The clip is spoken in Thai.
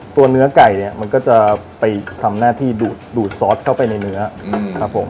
ตัวเนื้อไก่เนี่ยมันก็จะไปทำหน้าที่ดูดซอสเข้าไปในเนื้อครับผม